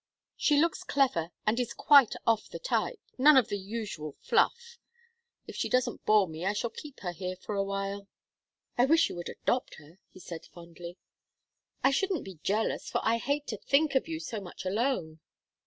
She looks clever, and is quite off the type none of the usual fluff. If she doesn't bore me I shall keep her here for a while." "I wish you would adopt her," he said, fondly. "I shouldn't be jealous, for I hate to think of you so much alone."